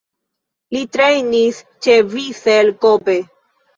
Li trejnis ĉe Vissel Kobe.